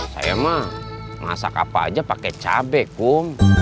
saya mah masak apa aja pakai cabai kum